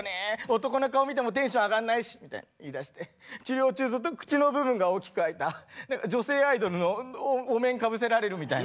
男の顔見てもテンション上がんないし」みたいな言いだして治療中ずっと口の部分が大きく開いた女性アイドルのお面かぶせられるみたいな。